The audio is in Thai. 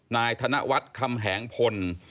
นายธนวัฒน์คำแหงพล